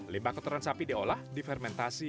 limbah kotoran sapi diolah difermentasi